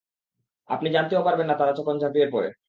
আপনি জানতেও পারবেন না তারা কখন ঝাপিঁয়ে পড়ে।